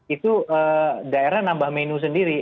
itu daerah nambah menu sendiri